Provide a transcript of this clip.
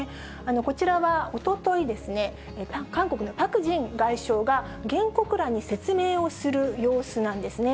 こちらは、おととい、韓国のパク・ジン外相が原告らに説明をする様子なんですね。